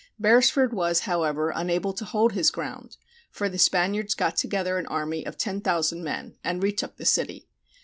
Beresford was, however, unable to hold his ground, for the Spaniards got together an army of 10,000 men, and re took the city.